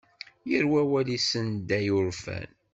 Yir wal issenday urfan.